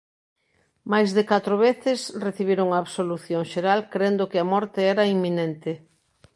Máis de catro veces recibiron a absolución xeral crendo que a morte era inminente.